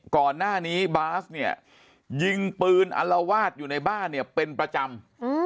ก่อนหน้านี้บาสเนี่ยยิงปืนอัลวาดอยู่ในบ้านเนี่ยเป็นประจำ